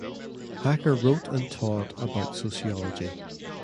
Hacker wrote and taught about sociology.